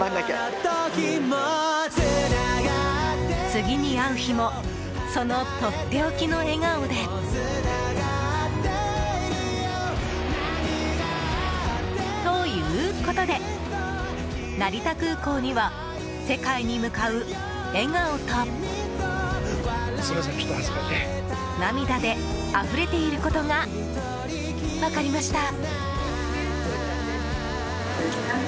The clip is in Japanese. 次に会う日もそのとっておきの笑顔で。ということで、成田空港には世界に向かう笑顔と涙であふれていることが分かりました。